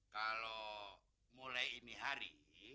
kalau mulai ini hari